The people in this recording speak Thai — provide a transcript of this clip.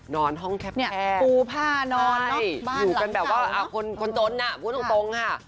นอนห้องแคปแพรสปูผ้านอนอยู่เป็นแบบว่าคนจนคุ้นตรงค่ะ